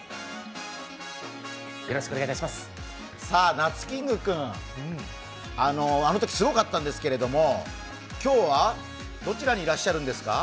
なつキング君、あのときすごかったんですけれども、今日はどちらにいらっしゃるんですか？